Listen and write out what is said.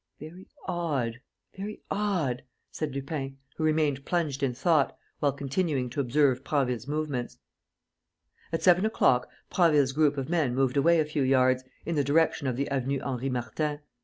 "Very odd, very odd," said Lupin, who remained plunged in thought, while continuing to observe Prasville's movements. At seven o'clock Prasville's group of men moved away a few yards, in the direction of the Avenue Henri Martin.